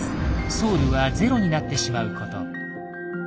ソウルはゼロになってしまうこと。